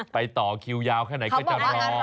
ต่อคิวยาวแค่ไหนก็จะรอ